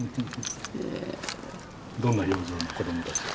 どんな表情の子どもたちが？